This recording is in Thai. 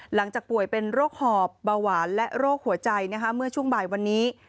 ป่วยเป็นโรคหอบเบาหวานและโรคหัวใจเมื่อช่วงบ่ายวันนี้